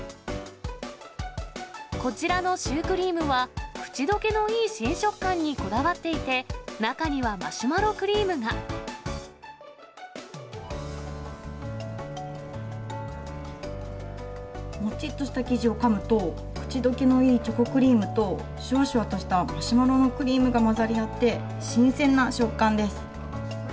こちらのシュークリームは口どけのいい新食感にこだわっていて、もちっとした生地をかむと、口どけのいいチョコクリームと、しゅわしゅわとしたマシュマロのクリームが混ざり合って、新鮮な食感です。